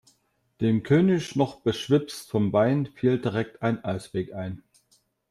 Dem König, noch beschwipst vom Wein, fiel direkt ein Ausweg ein.